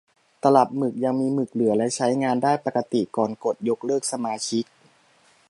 ตลับหมึกยังมีหมึกเหลือและใช้งานได้ปกติก่อนกดยกเลิกสมาชิก